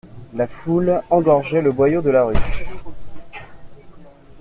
La foule engorgeait le boyau de la rue.